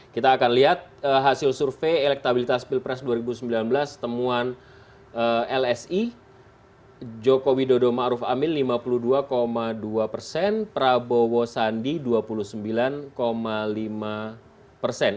kita akan lihat hasil survei elektabilitas pilpres dua ribu sembilan belas temuan lsi joko widodo ⁇ maruf ⁇ amin lima puluh dua dua persen prabowo sandi dua puluh sembilan lima persen